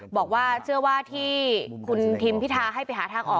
บอกว่าเชื่อว่าที่คุณทิมพิทาให้ไปหาทางออก